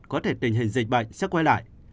có thể tình hình dịch bệnh sẽ quay lại